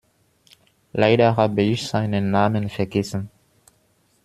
Leider habe ich seinen Namen vergessen.